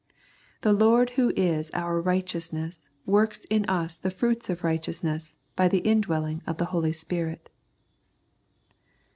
The Lord Who is our Right eousness works in us the fruits of righteousness by the indwelling of the Holy Spirit.